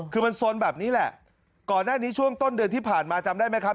คือมันสนแบบนี้แหละก่อนหน้านี้ช่วงต้นเดือนที่ผ่านมาจำได้ไหมครับ